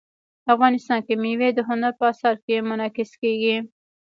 افغانستان کې مېوې د هنر په اثار کې منعکس کېږي.